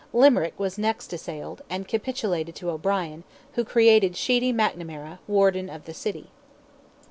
Limerick was next assailed, and capitulated to O'Brien, who created Sheedy McNamara, Warden of the City.